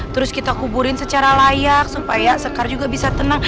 terus kita kuburin secara layak supaya sekar juga bisa tenang